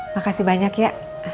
makasih banyak ya